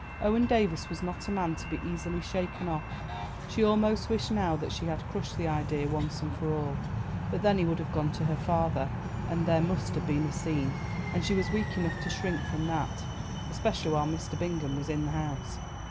Owen Davies was not a man to be easily shaken off. She almost wished now that she had crushed the idea once and for all. But then he would have gone to her father, and there must have been a scene, and she was weak enough to shrink from that, especially while Mr. Bingham was in the house.